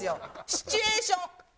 シチュエーション！